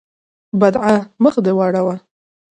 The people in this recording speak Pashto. بدعا: مخ دې واوړه!